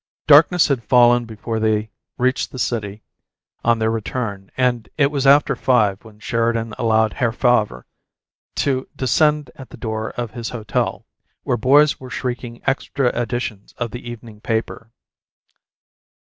Darkness had fallen before they reached the city on their return, and it was after five when Sheridan allowed Herr Favre to descend at the door of his hotel, where boys were shrieking extra editions of the evening paper.